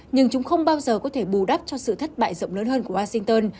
nhưng chúng không bao giờ có thể bù đắp cho sự thất bại rộng lớn hơn của washington